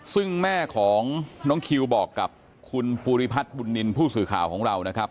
ซึ่งแม่ของน้องคิวบอกกับคุณภูริพัฒน์บุญนินทร์ผู้สื่อข่าวของเรานะครับ